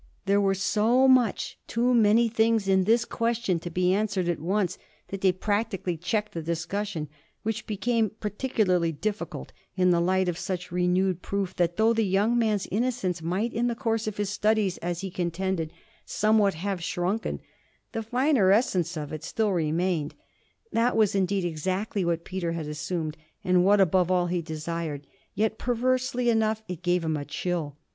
There were so much too many things in this question to be answered at once that they practically checked the discussion, which became particularly difficult in the light of such renewed proof that, though the young man's innocence might, in the course of his studies, as he contended, somewhat have shrunken, the finer essence of it still remained. That was indeed exactly what Peter had assumed and what above all he desired; yet perversely enough it gave him a chill.